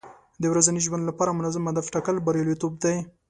د ورځني ژوند لپاره منظم هدف ټاکل بریالیتوب دی.